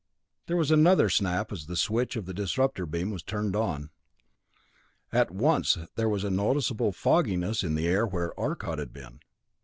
There was another snap as the switch of the disrupter beam was turned on. At once there was a noticeable fogginess in the air where Arcot had been.